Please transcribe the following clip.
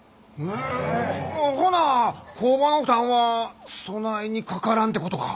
ほな工場の負担はそないにかからんてことか。